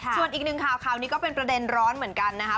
ส่วนอีกหนึ่งข่าวข่าวนี้ก็เป็นประเด็นร้อนเหมือนกันนะครับ